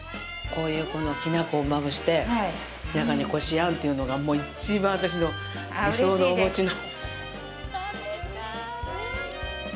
こういう、このきな粉をまぶして、中にこし餡というのが、もう、いちばん私の理想のお餅の。